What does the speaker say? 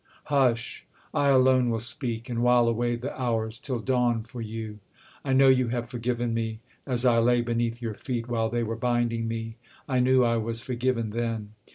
Hush! I alone will speak, And while away the hours till dawn for you. I know you have forgiven me; as I lay Beneath your feet, while they were binding me, I knew I was forgiven then!